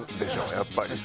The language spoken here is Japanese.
やっぱり。